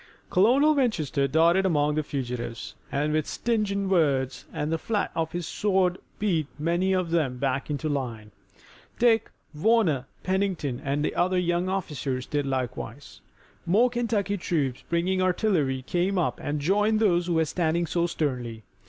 Colonel Winchester darted among the fugitives and with stinging words and the flat of his sword beat many of them back into line. Dick, Warner, Pennington and other young officers did likewise. More Kentucky troops bringing artillery came up and joined those who were standing so sternly.